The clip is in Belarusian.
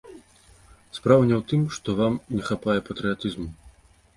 Справа не ў тым, што вам не хапае патрыятызму.